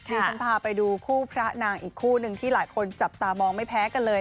ดิฉันพาไปดูคู่พระนางอีกคู่หนึ่งที่หลายคนจับตามองไม่แพ้กันเลย